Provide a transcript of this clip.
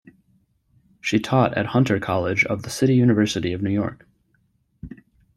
She taught at Hunter College of the City University of New York.